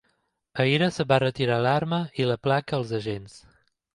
Ahir es va retirar l’arma i la placa als agents.